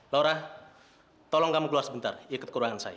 laura tolong kamu keluar sebentar ikut ke ruangan saya